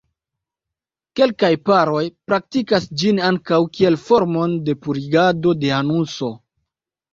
Kelkaj paroj praktikas ĝin ankaŭ kiel formon de purigado de anuso.